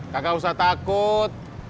kakak usah takut